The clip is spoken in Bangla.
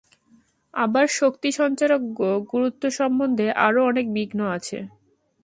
আবার শক্তিসঞ্চারক গুরুসম্বন্ধে আরও অনেক বিঘ্ন আছে।